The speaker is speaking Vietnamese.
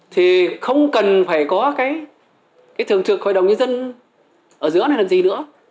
thì không cần phải có cái thường trực hội đồng nhân dân ở giữa này là gì nữa